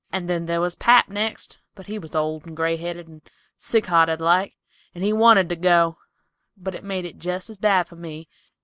Then there was pap died next, but he was old and gray headed, and sick hearted like, and he wanted to go, but it made it jest as bad for me.